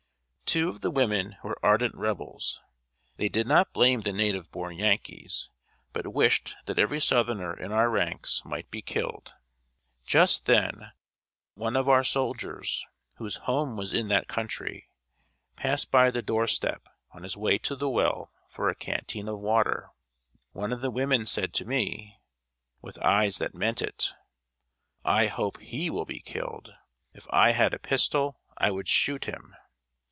] Two of the women were ardent Rebels. They did not blame the native born Yankees, but wished that every southerner in our ranks might be killed. Just then one of our soldiers, whose home was in that county, passed by the door step, on his way to the well for a canteen of water. One of the women said to me, with eyes that meant it: "I hope he will be killed! If I had a pistol I would shoot him.